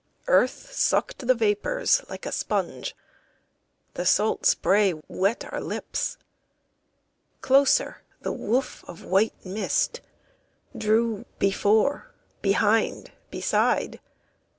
Earth sucked the vapors like a sponge, The salt spray wet our lips. Closer the woof of white mist drew, Before, behind, beside.